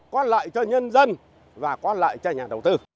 có lợi cho nhân dân và có lại cho nhà đầu tư